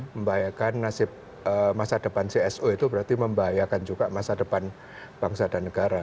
membahayakan nasib masa depan cso itu berarti membahayakan juga masa depan bangsa dan negara